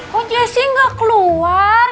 kok jessy gak keluar